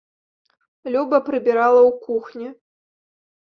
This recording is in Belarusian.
Люба прыбірала ў кухні.